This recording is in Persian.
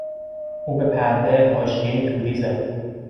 او به پرده، حاشیهی توری زد.